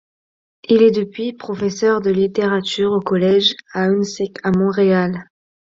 Il est depuis professeur de littérature au collège Ahuntsic à Montréal.